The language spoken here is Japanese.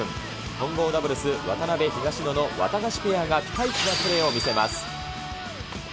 混合ダブルス、渡辺・東野のワタガシペアが、ピカイチなプレーを見せます。